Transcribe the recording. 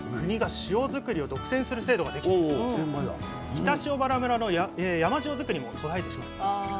北塩原村の山塩づくりも途絶えてしまいます。